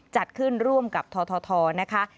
จัดขึ้นร่วมกับททนะคะ